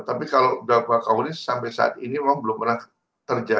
tapi kalau ini sampai saat ini memang belum pernah terjadi